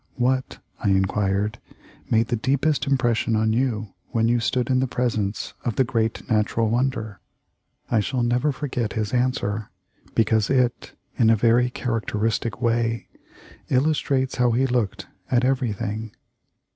"What," I inquired, "made the deepest impression on you when you stood in the presence of the great natural wonder? I shall never forget his answer, because it in a very characteristic way illustrates how he looked at everything.